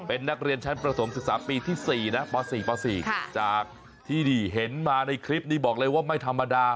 เป็นนักเรียนชั้นประถมศึกษาปีที่๔นะป๔ป๔จากที่เห็นมาในคลิปนี้บอกเลยว่าไม่ธรรมดา